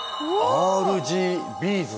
ＲＧＢーズ。